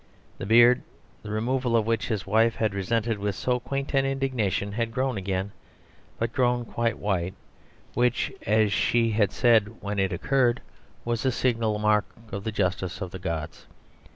The beard, the removal of which his wife had resented with so quaint an indignation, had grown again, but grown quite white, which, as she said when it occurred, was a signal mark of the justice of the gods.